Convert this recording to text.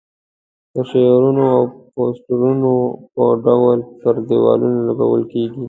د شعارونو او پوسټرونو په ډول پر دېوالونو لګول کېږي.